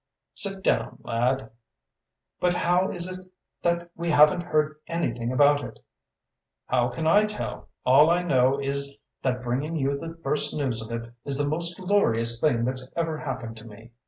"Sit down, lad!" "But how is it that we haven't heard anything about it?" "How can I tell? All I know is that bringing you the first news of it is the most glorious thing that's ever happened to me.